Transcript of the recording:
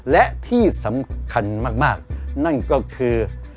และที่สำคัญมากนั่นก็คือ